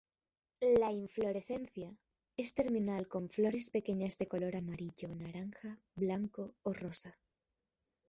La inflorescencia es terminal con flores pequeñas de color amarillo, naranja, blanco o rosa.